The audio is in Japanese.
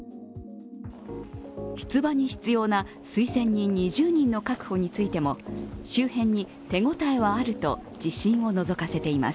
出馬に必要な推薦人２０人の確保についても周辺に手応えはあると自信をのぞかせています。